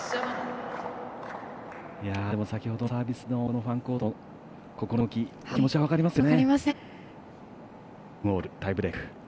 でも、先ほどのサービスのファンコートの心の動き、気持ち分かりますね。